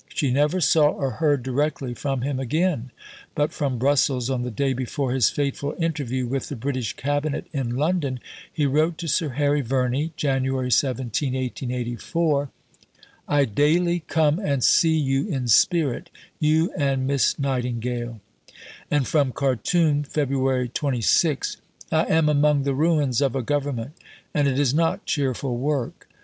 She never saw or heard directly from him again; but from Brussels, on the day before his fateful interview with the British Cabinet in London, he wrote to Sir Harry Verney (Jan. 17, 1884): "I daily come and see you in spirit you and Miss Nightingale." And from Khartoum (Feb. 26): "I am among the ruins of a Government, and it is not cheerful work.